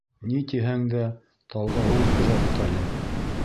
Ни тиһәң дә, тауға ул хужа бит әле.